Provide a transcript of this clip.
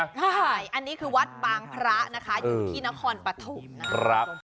ใช่อันนี้คือวัดบางพระนะคะอยู่ที่นครปฐมนะครับ